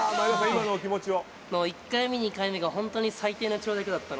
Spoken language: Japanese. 今のお気持ちを。